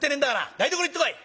台所へ行ってこい」。